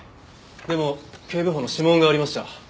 でも警部補の指紋がありました。